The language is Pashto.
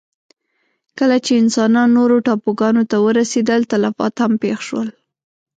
کله چې انسانان نورو ټاپوګانو ته ورسېدل، تلفات هم پېښ شول.